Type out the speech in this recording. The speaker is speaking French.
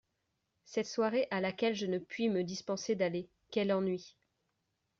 Cette soirée à laquelle je ne puis me dispenser d’aller… quel ennui !